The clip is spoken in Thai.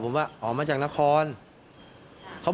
เมื่อวานแบงค์อยู่ไหนเมื่อวาน